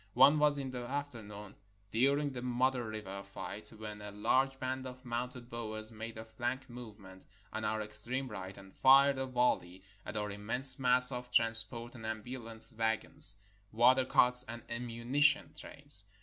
One was in the afternoon, dur ing the Modder River fight, when a large band of mounted Boers made a flank movement on our extreme right, and fired a volley at our immense mass of trans port and ambulance wagons, water carts, and ammuni tion trains.